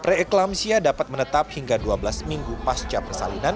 preeklampsia dapat menetap hingga dua belas minggu pasca persalinan